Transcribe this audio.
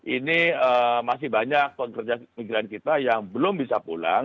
ini masih banyak pekerjaan kita yang belum bisa pulang